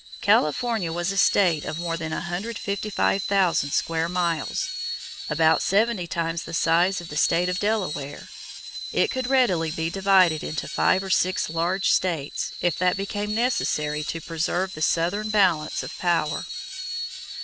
California was a state of more than 155,000 square miles about seventy times the size of the state of Delaware. It could readily be divided into five or six large states, if that became necessary to preserve the Southern balance of power.